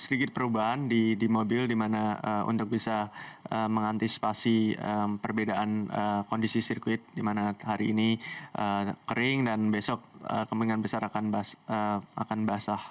sedikit perubahan di mobil di mana untuk bisa mengantisipasi perbedaan kondisi sirkuit di mana hari ini kering dan besok kemungkinan besar akan basah